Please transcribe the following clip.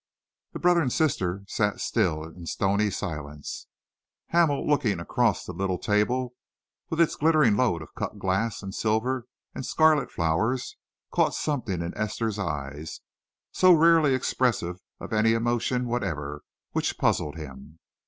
The brother and sister sat still in stony silence. Hamel, looking across the little table with its glittering load of cut glass and silver and scarlet flowers, caught something in Esther's eyes, so rarely expressive of any emotion whatever, which puzzled him.